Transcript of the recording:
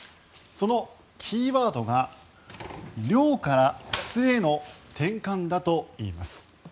そのキーワードが量から質への転換だといいます。